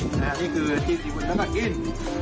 นี่คือจิ้มซีฟู้ดแล้วก็กิน